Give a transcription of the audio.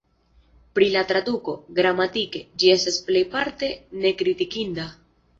Pri la traduko: gramatike, ĝi estas plejparte nekritikinda.